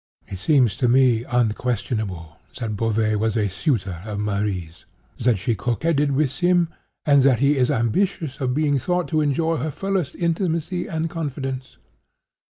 It seems to me unquestionable that Beauvais was a suitor of Marie's; that she coquetted with him; and that he was ambitious of being thought to enjoy her fullest intimacy and confidence.